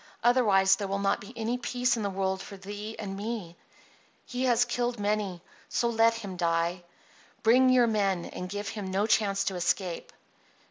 "Otherwise there will not be any peace in the world for thee and me. He has killed many. Let him so die. Bring your men, and give him no chance to escape."